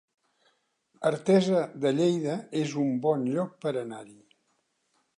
Artesa de Lleida es un bon lloc per anar-hi